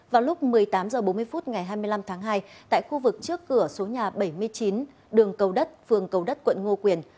vào lúc một mươi tám h bốn mươi phút ngày hai mươi năm tháng hai tại khu vực trước cửa số nhà bảy mươi chín đường cầu đất phường cầu đất quận ngô quyền